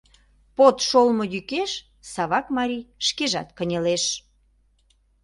Под шолмо йӱкеш Савак марий шкежат кынелеш.